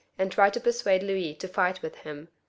Ill and tried to persuade Louis to fight with him.